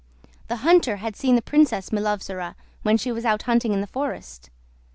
The hunter had seen the Princess Milovzora when she was out hunting in the forest.